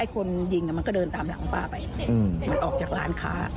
คนยิงมันก็เดินตามหลังป้าไปมันออกจากร้านค้า